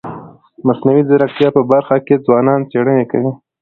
د مصنوعي ځیرکتیا په برخه کي ځوانان څيړني کوي.